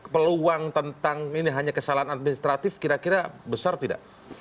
peluang tentang ini hanya kesalahan administratif kira kira besar tidak